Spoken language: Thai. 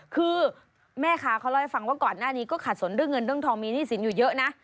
คือแม่ค้าเขาเล่าให้ฟังว่าก่อนหน้านี้ก็ขาดสนเรื่องเงินเรื่องทองมีหนี้สินอยู่เยอะนะ